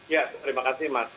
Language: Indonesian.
ya terima kasih mas